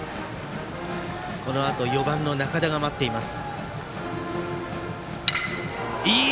このあと４番の仲田が待っています。